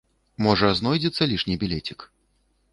Можа, знойдзецца лішні білецік?